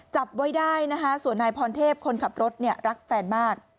จับไว้ได้นะคะส่วนนายพรเทพคนขับรถเนี่ยรักแฟนมาก